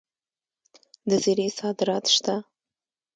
د زیرې صادرات شته.